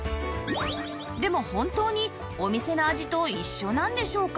でも本当にお店の味と一緒なんでしょうか？